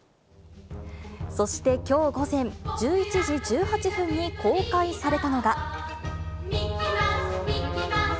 そして、きょう午前１１時１８分に公開されたのが。